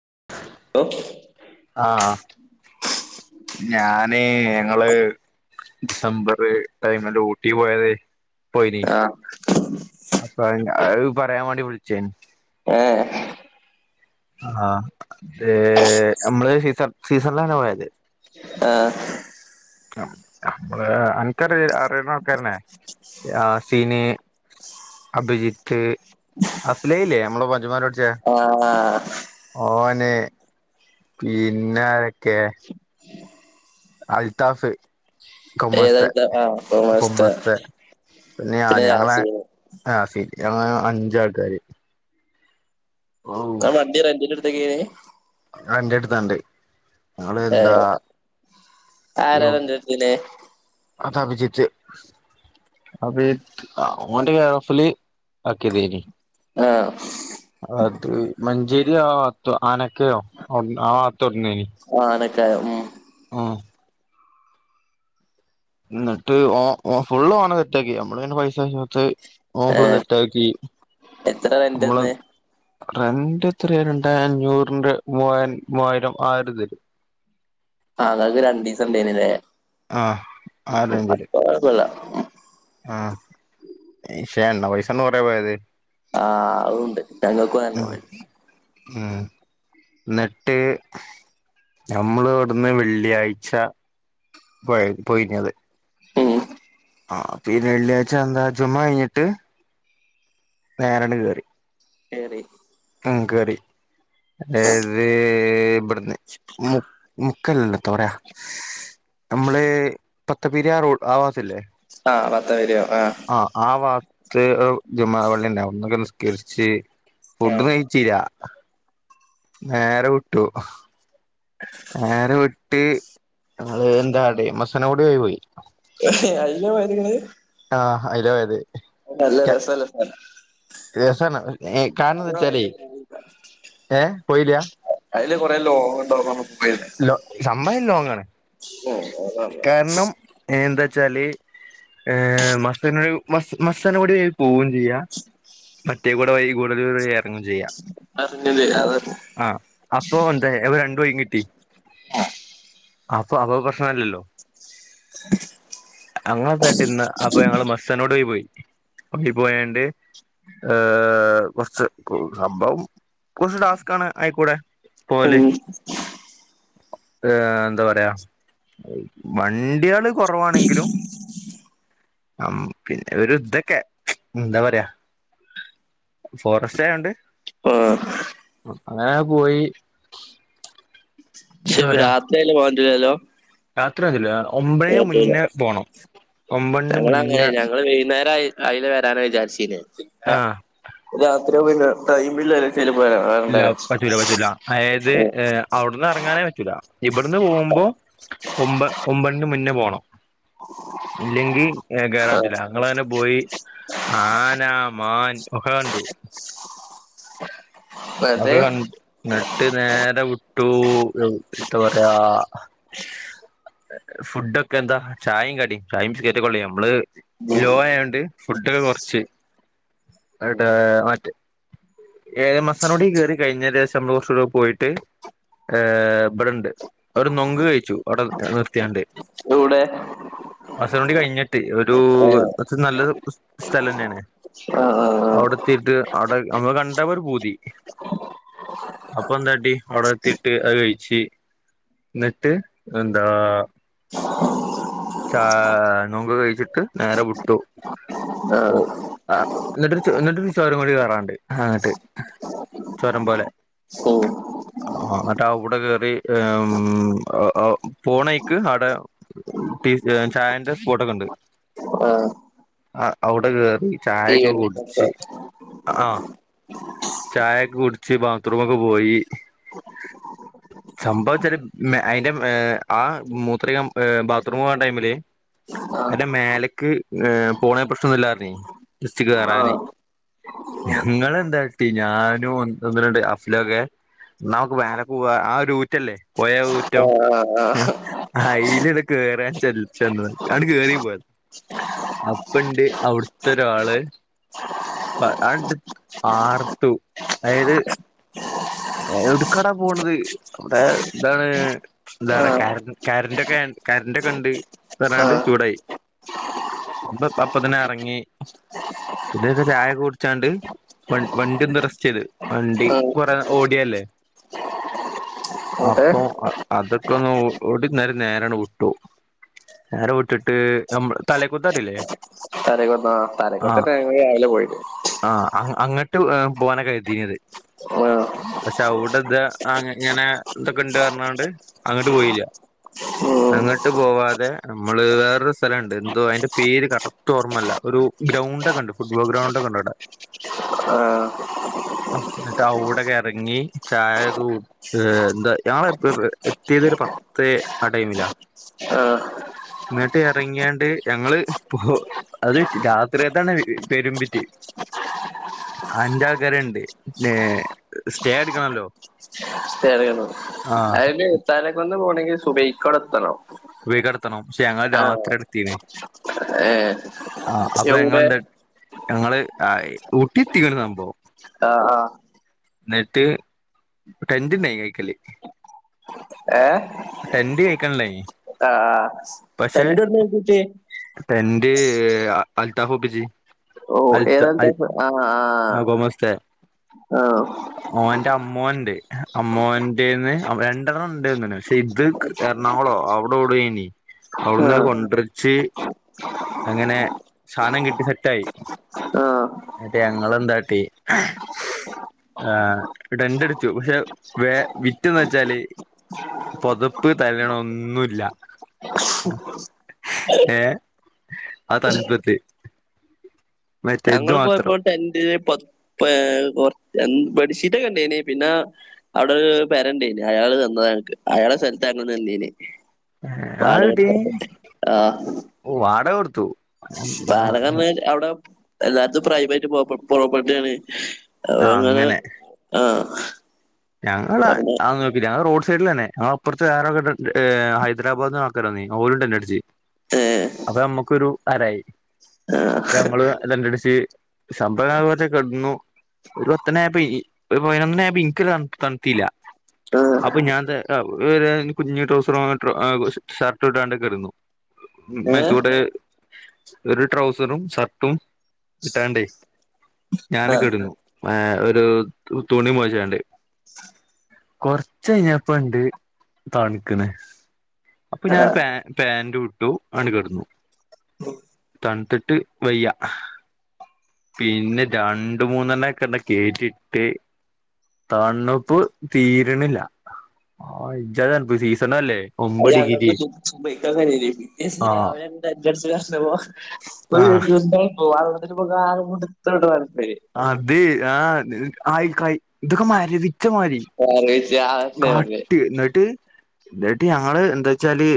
[unintelligible] ആഹ് ങ്ങള് ഡിസംബറ് ടൈമില് ഊട്ടി പോയതേ പോയിനി ആഹ് അപ്പ അത് പറയാൻ വേണ്ടി വിളിച്ചേന് ഏഹ് ആഹ് അത് നമ്മള് സീസ സീസണിലാണ് പോയത്. ആഹ് അമ്മള് അനക്ക് അറിയണ അറിയണക്കാരന്നെ ആസീന് അഭിജിത്ത് അഫ് ല ഇല്ലേ നമ്മള [unintelligible] ആ ഓന് പിന്നാരൊക്കെ അൽതാഫ് കൊമേഴ്‌സ്തെ ഏതെടുത്ത ആഹ് കൊമേഴ്‌സ്ത്തെ കൊമേഴ്‌സ്തെ പിന്നെ ഞാന് ഞങ്ങളെ ആസീൻ ഞങ്ങ അഞ്ചാൾക്കാര്. ആ വണ്ടി റെന്റിന് [unintelligible] ആ ൻ്റെടുത്തുണ്ട് ഏ ആര [unintelligible] അപ്പ ഓന്റെ കേറോഫിൽ ആക്കിതനി ആ അത് മഞ്ചേരിയോ ത്തോ ആനക്കയോ ആ തൊറന്നിന് ആ ആനക്കയം ഉം ആഹ് എന്നിട്ട് ഓഓ ഫുള്ള് ഓന സെറ്റാക്കി നമ്മള പിന്നെ പൈസത്ത് ഓ ഫുള്ള് ഏഹ് സെറ്റാക്കി എത്ര നമ്മള് ന്റന്ന് റെന്റ് എത്ര രണ്ടേ അഞ്ഞൂറിന്റെ മൂവാരം മൂവായിരം ആ ഒരിത് ആഹ് [unintelligible] രണ്ടീസം [unintelligible] ആഹ് ആലഞ്ചല് ഉം ആ ക്ഷേ എണ്ണ പൈസന്ന കൊറ പോയത് ആ ഉണ്ട് ഞങ്ങൾക്കും അതന്നെ ഉം ഉം എന്നിട്ട് ഞമ്മൾ ഇവിടുന്ന് വെള്ളിയാഴ്ച പോയി പോയിഞ്ഞത് ഉം ആ പിന്നെ വെള്ളിയാഴ്ച എന്താ ജുമ കഴിഞ്ഞിട്ട് നേരണ കേയറി കേറി കേറി ഏത് ബട്ന്ന് മു മു കല്ലത്തൊറയാ നമ്മള് പത്തപരിയാറൂ ആവാത്തല്ലേ ആഹ് പത്തപിരിയം ആ ആ വാ [unintelligible] ങ്ങള് നിസ്കരിച്ച് ഫുഡൊന്നു ആഹ് കയിച്ചിലാ നേരെ വിട്ടു നേരെ വി ട്ട് ഞങ്ങള് എന്താ മസനകുടി വഴി പോയി കെ അയ്യമായിരിക്ക്ണെ ആ അയിലെ പോയത് അത് നല്ല രസള്ള സ്ഥലാ രസാണ് ഏ കാരന്ന് വെച്ചാലേ പോയില്ല ഏ പോയില്ല അയിലെ കൊറേ ലോങ്ങുണ്ടെടാ പറ ലോ സംഭവം ലോങ്ങാണ് ഉം അതാണ് കാരണം എന്താ ചാല് എ മസന മസനകുടി വഴി പോവുകയും ചെയ്യാം മറ്റേ ഇവിടെ വഴി ഗൂഡല്ലൂർ ചെയ്യാം അറിഞ്ഞില്ലേ അതന്നെ ആ അപ്പോ എന്തേ പോയി കിട്ടി അപ്പൊ അപ്പ പ്രശ്നല്ലല്ലോ അങ്ങത്തായിട്ട് ഇന്ന് അപ്പൊ ഞങ്ങള് മസ്സന പോയി പോയി പോയണ്ട് കൊറച്ച് സംഭവം കൊറച്ച് ടാസ്ക് ആണ് ആയിക്കൂടെ ഉം പോവല് ഏ എന്താ പറയാ വണ്ടികള് കുറവാണെങ്കിലും പിന്നെ ഒരു ഇതൊക്കെ എന്താ പറയാ ഫോറസ്റ്റ് ആയൊണ്ട് ആഹ് അങ്ങനെ പോയി ശരി രാത്രിയയിലെ പോവാൻ പറ്റൂലല്ലോ യാത്രല്ല ഒമ്പണിൻ്റെ മുന്നേ പോണം ഒമ്പണിൻ്റ ഞങ്ങളങ്ങനെ മുന്നേ ഞങ്ങള് വൈകുന്നേരം ആയി അയിലെ വരാന വിചാരിച്ചില്ലേ ആഹ് [unintelligible] അത്ര പിന്നെ ടൈം ഇല്ലല്ലോ ഇല്ല പറ്റൂല പറ്റൂല അതായത് അവിടുന്ന് ഇറങ്ങാനേ പറ്റൂല ഇവിടുന്ന് പോകുമ്പോ ഒമ്പ ഒമ്പണിൻ്റെ മുന്നേ പോണം ഇല്ലെങ്കിൽ കേറാൻ ആഹ് പറ്റില്ല ഞങ്ങളങ്ങനെ പോയി ആന, മാൻ ഒക്കെ കണ്ടു. വെറുതെ [unintelligible] നട്ട് നേരെ വിട്ടോ എന്താ പറയാ ഫുഡൊക്കെ എന്താ ചായേം കടിം ചായേം ബിസ്കറ്റ്ക്കൊള്ളു നമ്മള് ലോ ആയോണ്ട് ഫുഡൊക്കെ കൊറച്ച് എട് അറ്റ് എ എം സ് [unintelligible] കയറി കഴിഞ്ഞദേശം [unintelligible] കുറച്ച കൂടെ പോയിട്ട് ഹ് ഇവിടെണ്ട് അവര് നൊങ്ക് കഴിച്ചു അവിടെ നിർത്തിയാണ്ട് യൗടെ മസ്നഗുഡി കയ്ഞ്ഞ് ഒരു [unintelligible] നല്ല സ്ഥലെന്നേണ് ആഹ് അവുടെത്തിട്ട് അവിടെ നമ്മ കണ്ട ഒരു പൂതി അപ്പൊന്താട്ടി അവുടെത്തിട്ട് അത് ആയിച് ന്നിട്ട് എന്താ ചാ നൂങ് കഴിച്ചിട്ട് നേരെ വിട്ടു ആഹ് ഓ ആഹ് എന്നിട്ടൊരു എന്നിട്ടരു ചോരം കൂടി കേയറാണ്ട് എന്നിട്ട് ചോരം പോലെ ഉം അട്ട് ആ കൂടെ കേറി പോണേക്ക് അടെ [unintelligible] ചായന്റെ ഫ്പോട്ടൊക്കെ ആഹ് ഉണ്ട്ആ ഔടെ കേറി [unintelligible] ആഹ ചായയക്കെ കുടിച്ച് ബാത്ത്റൂമൊക്കെ പോയി സംഭവം ചില അതിന്റെ ആ മൂത്രക ത്രു ആ ടൈമില് അയ്ന്റെ മേലക്ക് പോണ പ്രശ്നോന്നുല്ലാറഞ്ഞ് ജെസ്റ്റ് ആഹ് കേറാന് ആഹ് ഞങ്ങലെന്താട്ടി ഞാനും ഒന്ന് രണ്ട് അഫ്‌ലോക്കെ ന്നാമ്മക്ക് മേലെ പോവാം ആ ഒരു ഊറ്റല്ലേ പോയരൂറ്റം ഏ അയിൽ കേറാൻ ചലിച്ചങ്ങട് അങ്ങട് കേറി പോയത അപ്പണ്ട് അവിടൊത്തൊരാള് ആ അട് ആർത്തു അതായത് എടുക്കാടാ പോണത് അവിടെഎന്താണ് എന്താ പറയാ ആഹ് ക കരന്റെ ക്കെ കരന്റെ ക്കെണ്ട് പറഞ്ഞാണ്ട് ചൂടായി [unintelligible] അപ്പത്തിനെ ഇറങ്ങി ഇതൊക്കെ ചായ കുടിച്ചാണ്ട് വണ്ടി ഒന്ന് റെസ്റ്റയ്ത് വണ്ടി കുറ ഓടിയല്ലേ ആഹ് ആഹ് ആഹ് എന്നിട്ട് അപ്പൊ അ അതൊക്കെ ഒന്ന് ഓ ഓടി നേര നേരങ്ങണ് വിട്ടു നേര വിട്ടിട്ട് നമ്മ തലേക്കുത്തറില്ലേ [unintelligible] അ അങ്ങട്ട് പോവാനാ കരുതീനത് ആ, പക്ഷെ അവിടെ ഇതാ അങ് ഇങ്ങനെ ഇതൊക്കെണ്ട് പറഞ്ഞൊണ്ട് അങ്ങോട്ട് പോയില്ല ഉം, അങ്ങോട്ട് പോവാതെ നമ്മള് വേറൊരു സ്ഥലണ്ട് എന്തോ അതിന്റെ പേര് കറക്ട് ഓർമ്മല്ല ഒരു ഗ്രൗണ്ട് ഒക്കെ ഉണ്ട് ഫുട്ബോൾ ഗ്രൗണ്ട് ഒക്കെ ഉണ്ട് ആ, അവ്ടെ ന്ന്ട്ട് അവ്ടെ കേ ഇറങ്ങി ചായെക്കെ [unintelligible] എന്താ ഞങ്ങള് എത്തിയത് ഒരു പത്ത് ആ ടൈമിലാ ആ, എന്നിട്ട് എറങ്ങിയാണ്ട് ഞങ്ങള് പോ അത് രാത്രിക്കത്താണ് പെരുമ്പിറ്റ് അഞ്ചാൾക്കാരായിട്ട് പിന്നേ സ്റ്റേ എടുക്കണല്ലോ ആഹ് [unintelligible] പോണെങ്കിൽ സുബഹികടെത്തണം എത്തണം പക്ഷെ ങ്ങള് രാത്രി എത്തീണ് ഏ ആഹ് അപ്പൊ എവിടെ ഞങ്ങൾണ്ട് ഞങ്ങള് ആ ഊട്ടി എത്തിക്ണ് സംഭവം ആഹ് ആഹ് എന്നിട്ട് ടെന്റ്ണ്ടായിനി കയ്ക്കല് ടെൻ്റ് കൈക്കല്ണ്ടായിനി ആഹ് ആ ടൻ്റൊട്ന്നാകിട്ടി [unintelligible] അൽത്താഫ് ഒപ്പിച് ഓ ഏത ആ ആ കൊമസ്തെ ആ ന്റെ അമ്മോൻണ്ട് ഏ അമ്മോന്റെന്ന് രണ്ടെണ്ണം ഉണ്ട്ന്ന് ക്ഷെ ഇത് എറണാകുളോ അവിടെ [unintelligible] ആ അവിടുന്ന് കൊണ്ടരിച്ച് അങ്ങനെ സാനം കിട്ടി സെറ്റായി ആ മറ്റേ ഞങ്ങെന്താട്ടി ആ ടെന്റ് അടിച്ചു പക്ഷെ വേ വിറ്റന്ന് വെച്ചാല് പൊതപ്പ് തലെണ ഒന്നുല്ല ഏ ആ തണത്തിടെ ഞങ്ങള് പോയപ്പോ ടെൻ്റ് ന് പ പഠിച്ചിട്ടൊക്കെ ഉണ്ടേനി പിന്നെ അവിടെ പരണ്ടേന് അയാള് തന്നതാങ്ങക്ക് അയാൾടെ സ്ഥലത്താരുന്നു നിന്നീന്യ ആട്ടി വോ അ ട കൊടുത്തു ആഹ് വാടകന്ന് അവിടെ എല്ലാടത്തും പ്രൈവേറ്റ് പോ പോ പ്രോപ്പർട്ടിയാണ് ആ അങ്ങനെ ആഹ് ഞങ്ങളാ പറഞ്ഞ [unintelligible] [unintelligible] റോഡ് സൈഡിലന്നെ അ അപ്പുറത്ത് വേറൊരു കെട്ടിടത്തില് ഹൈദ്രാരാബാദ്ന്ന് ആൾക്കാര് വന്നേനി ഓരും ടെൻ്റടിച്ച് ഏഹ് അപ്പൊ നമ്മുക്കൊരു അരായി ആഹ് ഞങ്ങള് ടെൻ്റടിച്ച് സംഭവാവര് കെടന്നു ഒരു പത്തണിയായപ്പ ഈ ഇ ഒരു പതിനൊന്നണിയായപ്പ ഇൻക്കൊരു തൺ തണുത്തീല്ല ആഹ് അപ്പൊ ഞാൻ ത ത ഒരു കുഞ്ഞു ട്രൗസറും ഷർട്ട് ഇട്ടാണ്ട് കെടുന്നു ഏഹ് മേത്തൂടെ ഒരു ട്രൗസറും ഷർട്ടും ഇട്ടാണ്ടേ ഞാൻ ആഹ് കെടുന്നു ഏ ഒരു തു തുണി മുറിച്ചാണ്ടേ കൊറച്ച് കഴ്ഞ്ഞപ്പ ഇണ്ട് തണുക്കണ് അപ്പൊ ഞാൻ ആഹ് പാ പാന്റൂട്ടു അണ്ട് കെട്ന്നു തണുത്തിട്ട് വയ്യ പിന്നെ രണ്ട് മൂന്നെണ്ണ ഒക്കെ ആണ്ട് കേറ്റി ഇട്ട് തണു ഇപ്പ് തീര്ണില്ല ആ ഇജാതി തണപ്പ് സീസണല്ലേ അ ഒമ്പത് ഡിഗ്രി ഞങ്ങൾക്ക് സുബഹിക്കങ്ങനേനി ആ രാവിലന്നെ ടെൻ്റട്ച്ചാർഞ്ഞപ്പം [inaudible] ഓ [unintelligible] കൊടുത്ത് ഇട്വാര്ന്ന് അത് ആഹ് ആയിക്കായ് ഇതൊക്കെ മരവി ഓ [unintelligible] കഴ്ച്ച [inaudible] ഇന്നെട്ട് ഞങ്ങള് എന്താ ച്ചാല്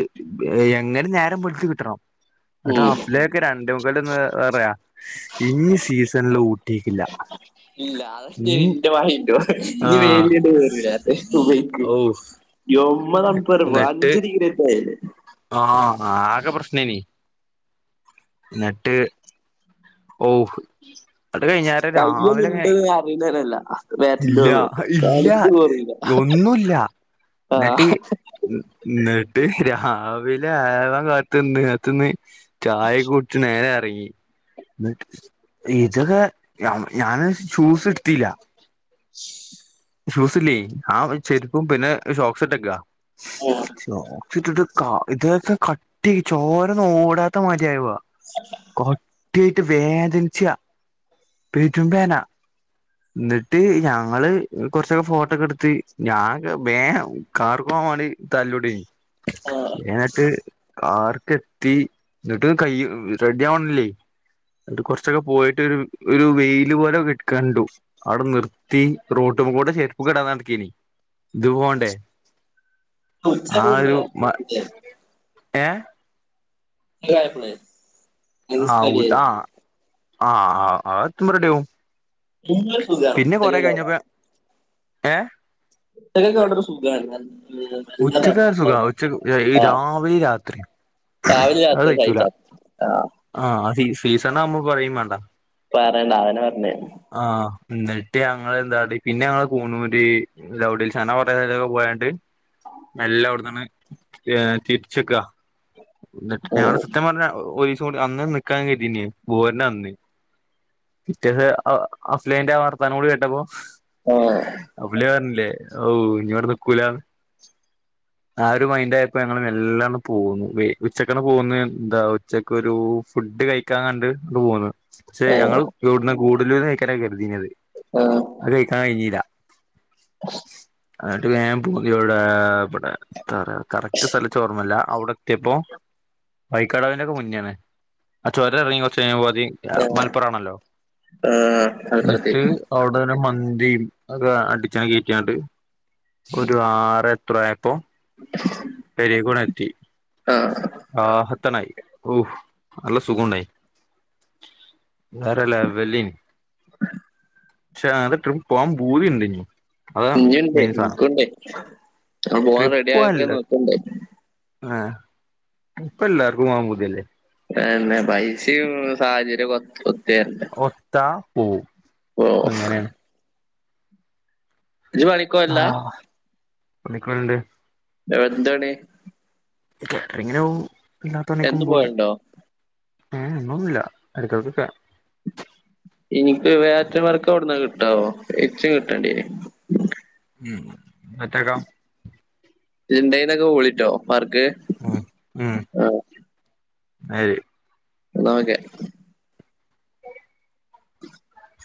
എങ്ങനിം നേരം വെള്ത്ത് കിട്ടണം അടാ ഉം അഫ്‌ലഹക്കെ രണ്ടേമുക്കാൽനന്ന് പറയാ ഇനി സീസണിലൊ ഇല്ല അതക്കെൻ്റെ വായീ ആ ഇനി വേണ്ടൊന്നും വരൂല്ല അത് ഓ [unintelligible] ഉമ്മനാം [unintelligible] അഞ്ച് ഡിഗ്രി ഒക്കെ [unintelligible] ആഹ് ആകെ പ്രശ്നേനി ന്നിട്ട് ഓ അത് കഴിഞ്ഞാര രാവിലെ കയ്യൊന്നുണ്ടെന്ന് അറിയുന്നതിനല്ല ബാറ്റിന്റെ ഇല്ല ഇല്ല അടുത്ത് പോറിയില്ല ഒന്നൂല്ല ആ ന്നട്ട് ന്നട്ട് രാ അവില് ആവാൻ കാത് ന്ന് ആത് ന്ന് ചായ് നേരെറങ്ങി ഇതൊക്കെ ഞാന് ഷൂസ് ഇട്ത്തീല്ല ശ് ഷൂസില്ലേ ആഹ് ചെരുപ്പും പിന്നെ ഷോക്ക്സ്‌ ട്ടക്വാ [unintelligible] ഇട്ടിട്ട് കാ ഇതൊക്കെ കട്ടിയായി ചോരൊന്നും ഓടാത്ത മാരിയാവാ ട്ടിയായിട്ട് വേദനിച്ചാ പെരുംവേന എന്നിട്ട് ഞങ്ങള് കുറച്ചൊക്കെ ഫോട്ടോക്കെ എടുത്ത് ഞാ വേഗം കാറിൽ പോകാൻ വേണ്ടി തല്ലുകൂടിന് ന്ട്ട് കാർ എത്തി എന്നിട്ട് കൈ റെഡി ആവണില്ലേ എന്നിട്ട് കുറച്ചൊക്കെ പോയിട്ട് ഒരു വെയില് പോലെ കണ്ടു അവിടെ നിർത്തി റോട്ടുമ്മേകൂടെ ചെരുപ്പ് കിടാതെ നടക്കനി ഇത് പോണ്ടേ ആ ഉച്ചപോലെ ഒരു തോന്നീലേ ഏ [unintelligible] ആ മനസ്സിലായി ഉതാ ആ ആ ആ അത്എത്തുബ്ബ റെഡിയാവും [unintelligible] എ ഇതൊക്കെ വളരെ സുഖാണ് ഉച്ചക്കായ ഒരു സുഖാ. ഉച്ചക്ക്. ഈ ആ രാവിലിം രാത്രി. രാവിലെ അത് രാത്രി കഴിച്ച സഹിച്ചൂല ആ ആ അത് സീസൺ ആവുമ്പൊ പറയും വേണ്ട പറയണ്ട. അതന്നെ പറഞ്ഞേ. ഇന്ന്ട്ട് ഞങ്ങൾ എത്നാട്ടി പിന്നെ കൂണൂര് ചന പറയലൊക്കെ പോയണ്ട്. മെല്ലെ അവിടന്നാണ്ട് തിരിച്ച്ക്ക. എന്നിട്ട് ഞാൻ സത്യം പറഞ്ഞ ഒയി അന്ന് നിക്കാൻ കെര്തീൻ്റ്. പോര്ന്ന അന്ന്. പിറ്റേന്ന് ആ അഫ്ലഹ് ന്റെ വർത്താനൂടെ കേട്ടപ്പോ ഹ ഹ അഫ്ലഹ് അർഞ്ഞീ ഓ ഇനി ഇവിടെ നിക്കൂലാന്ന് ആ ഒരു മൈൻഡ് ആയപ്പോ ഞങ്ങള് മെല്ലെ അങ്ങ് പോന്നു ഉച്ചക്കണ് പോന്നു ന്താ ഉച്ച ഒരു ഫുഡ് കഴിക്കാൻ കണ്ട് ങ്ങട് പോന്ന് ശെ ഞങ്ങൾ [unintelligible] കൂടുതൽ കയ്ക്കാനയ്ക്കാരം അത് കഴിക്കാൻ കഴിഞ്ഞീല്ല. എന്നിട്ട് ഞാൻ പൂധൃവിടെ ആ പ എത്താലെ., കറക്റ്റ് സ്ഥലം ച്ച് ഓർമ്മല്ല. അവിടെ എത്തിയപോ വൈക്കടവിന്റെ ഒക്കെ മു ന്നെ ആണേ ആ ചൊരം ഇറങ്ങി കുറച്ചു കഴിഞ്ഞപ്പോ മലപ്പുറം ആണല്ലോ ന്നിട്ട് അവിട ഒരു മന്തി [unintelligible] ഒരു ആറേത്രെ ആയപ്പോ [unintelligible] ആ [inaudible] റാഹത്തനായി ഓഹ് നല്ല സുഖണ്ടായി വേറെ ലെവലെനു [inaudible] [unintelligible] പോവാൻ പൂതിണ്ട് അതാ ഇഞ്ഞിണ്ടയ് മെയിൻ സാധനം ഇൻക്ണ്ടയ് ഞാൻ പോവാൻ ട്രിപ്പ് റെഡിയായിങ്ങനെ പോവാനില്ല നിൽക്ണ്ടയ് ആഹ് ഇപ്പെല്ലാർക്കും [unintelligible] [unintelligible] പൈസീം മ്മ് സാഹചര്യൊക്കെ [unintelligible] [unintelligible] ഓ ഓഹ്ഹ ഇജ്ജ്പണികോവല്ല പുള്ളിക്ക് ഒഴിവുണ്ട് [unintelligible] കേട്രങ്ങിനോവും [unintelligible] എന്നും പോവും പോയണ്ടോ ഏഹ് എന്നൊന്നുല്ല എട്കെട്കൊക്കെ ഇനിക്ക് [unintelligible] വർക്ക്‌ [unintelligible] [unintelligible] ഇച് കിട്ടണ്ടീനു ഉം [unintelligible] [unintelligible] പർക്ക് ഉം ഉം ആ [unintelligible] എന്നാ ഒക്കെ [inaudible]